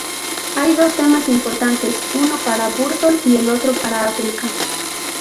Hay dos temas importantes, uno para Burton y el otro para África.